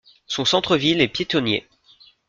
Son centre-ville est piétonnier.